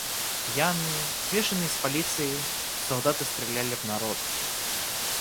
Пьяные, смешанные с полицией, солдаты стреляли в народ.